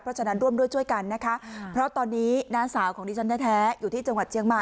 เพราะฉะนั้นร่วมด้วยช่วยกันนะคะเพราะตอนนี้น้าสาวของดิฉันแท้อยู่ที่จังหวัดเชียงใหม่